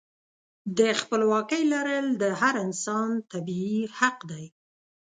د خپلواکۍ لرل د هر انسان طبیعي حق دی.